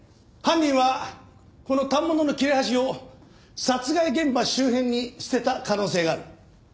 犯人はこの反物の切れ端を殺害現場周辺に捨てた可能性がある。